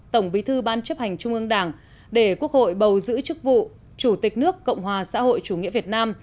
tổng bí thư ban chấp hành trung ương đảng để quốc hội bầu giữ chức vụ chủ tịch nước cộng hòa xã hội chủ nghĩa việt nam